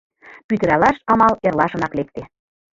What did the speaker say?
«Пӱтыралаш» амал эрлашынак лекте.